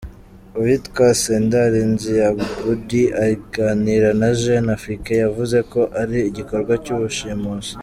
Uwitwa Cédar Nziamboudi aganira na Jeune Afrique yavuze ko ari igikorwa cy’ubushimusi.